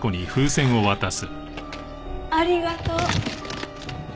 ありがとう。